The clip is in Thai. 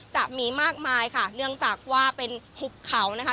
จะมีมากมายค่ะเนื่องจากว่าเป็นหุบเขานะคะ